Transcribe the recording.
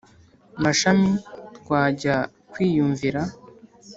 mashami twajya kwiyumvira